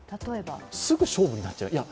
すぐ勝負になっちゃう。